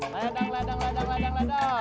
ledang ledang ledang ledang